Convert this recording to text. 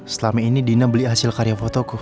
selama ini dina beli hasil karya fotoku